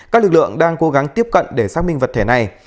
các lực lượng đang cố gắng tiếp cận để xác minh vật thể này